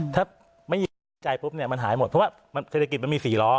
ถ้าไม่มีความมั่นใจปุ๊บเนี่ยมันหายหมดเพราะว่าเศรษฐกิจมันมี๔ล้อ